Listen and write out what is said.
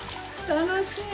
楽しい。